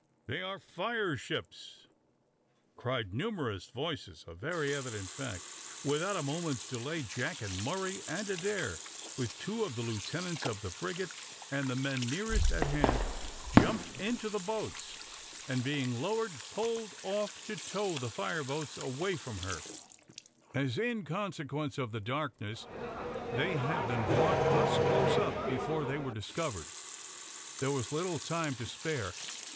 "They are fire ships," cried numerous voices a very evident fact. Without a moment's delay, Jack and Murray and Adair, with two of the lieutenants of the frigate, and the men nearest at hand, jumped into the boats, and, being lowered, pulled off to tow the fire ships away from her; as, in consequence of the darkness, they had been brought thus close up before they were discovered, there was little time to spare.